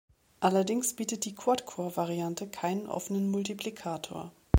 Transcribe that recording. Allerdings bietet die Quad-Core-Variante keinen offenen Multiplikator.